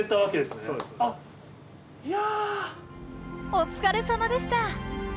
お疲れさまでした。